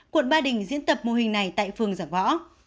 quận ba đình diễn tập mô hình này tại phường giả võ